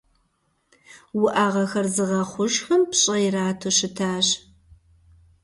Уӏэгъэхэр зыгъэхъужхэм пщӏэ ирату щытащ.